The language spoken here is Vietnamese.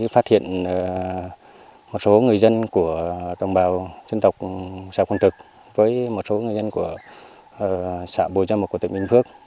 phát hiện một số người dân của đồng bào dân tộc xã quang trực với một số người dân của xã bù gia mập của tỉnh bình phước